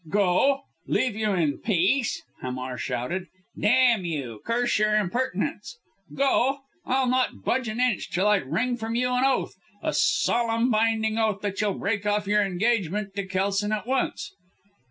"Go! Leave you in peace!" Hamar shouted. "Damn you, curse your impertinence! Go! I'll not budge an inch till I wring from you an oath a solemn binding oath, that you'll break off your engagement with Kelson at once."